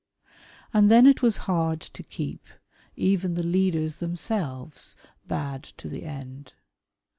And then it was hard to keep, even the leaders themselves, bad to the end.